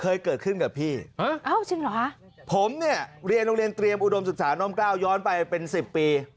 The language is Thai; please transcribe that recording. เคยเกิดขึ้นกับพี่ผมเรียนโรงเรียนเตรียมอุดมศึกษาน้ำเกล้าย้อนไปเป็น๑๐ปี